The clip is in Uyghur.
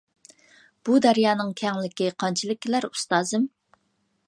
بۇ دەريانىڭ كەڭلىكى قانچىلىك كېلەر، ئۇستازىم؟